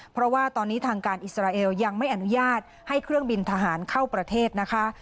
เพราะว่าตอนนี้ทางการอิสราเอลยังไม่อนุญาตให้เครื่องบินทหารเข้าประเทศนะคะ